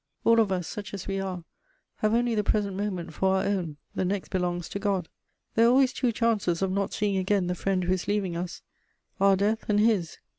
All of us, such as we are, have only the present moment for our own: the next belongs to God; there are always two chances of not seeing again the friend who is leaving us: our death and his.